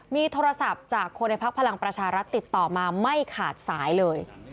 มีโทรศัพท์จากคนในพักพลังประชารัฐติดต่อมาไม่ขาดสายเลย